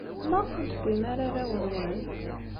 Maɣef ur d-tewwim ara arraw-nwen?